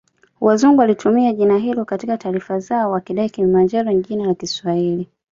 Wazungu walitumia jina hilo katika taarifa zao wakidai Kilimanjaro ni jina la Kiswahili